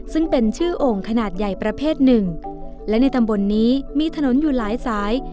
ซึ่งเป็นชื่อโอ่งขนาดใหญ่ประเภทหนึ่งและในตำบลนี้มีถนนอยู่หลายสาย